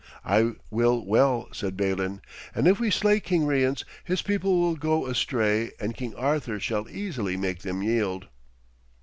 'I will well,' said Balin, 'and if we slay King Rience, his people will go astray and King Arthur shall easily make them yield.'